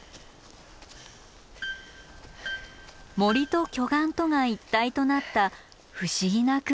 森と巨岩とが一体となった不思議な空間です。